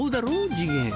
次元。